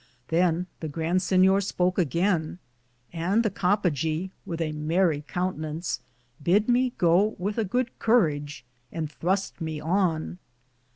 Than the Grand Sinyor spoake againe, and the Coppagaw, with a merrie coun tenance, bid me go with a good curridge, and thruste me on.